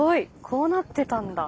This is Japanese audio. こうなってたんだ。